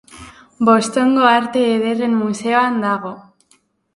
Bostongo Arte Ederren Museoan dago.